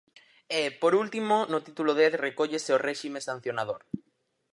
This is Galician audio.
E, por último, no título dez recóllese o réxime sancionador.